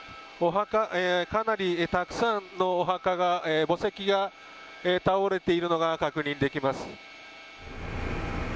かなりたくさんのお墓が墓石が倒れているのが確認できます。